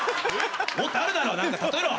もっとあるだろ何か例えろ。